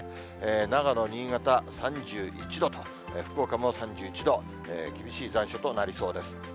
長野、新潟３１度と、福岡も３１度、厳しい残暑となりそうです。